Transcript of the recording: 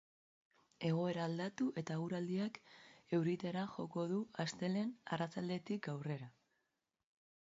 Egoera aldatu eta eguraldiak euritara joko du astelehen arratsaldetik aurrera.